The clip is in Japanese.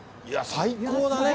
最高だね。